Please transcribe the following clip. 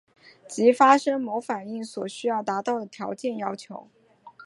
即发生某反应所需要达到的条件要求。